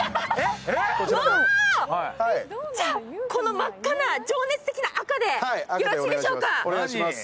真っ赤な、情熱的な赤でよろしいでしょうか。